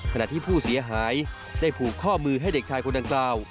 ขณะที่ผู้เสียหายได้ผูกข้อมือให้เด็กชายคนดังกล่าว